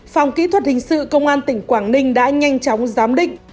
phòng kỹ thuật hình sự công an tỉnh quảng ninh đã nhanh chóng giám định